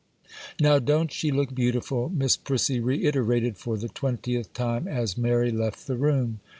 'Now, don't she look beautiful?' Miss Prissy reiterated for the twentieth time, as Mary left the room.